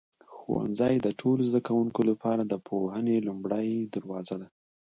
ښوونځی د ټولو زده کوونکو لپاره د پوهې لومړنی دروازه دی.